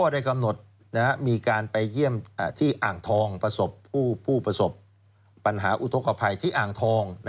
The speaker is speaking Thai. ได้กำหนดที่อ่างทองประสบผู้ประสบปัญหาอุทธกภัยที่อ่างทอง